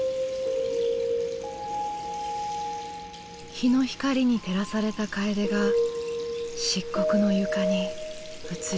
日の光に照らされたカエデが漆黒の床に映り輝く。